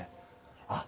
あっ！